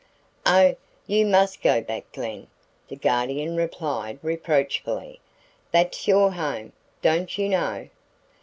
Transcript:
"Oh, you must go back, Glen," the Guardian replied, reproachfully. "That's your home, don't you know?